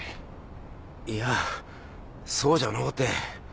いやそうじゃのうて。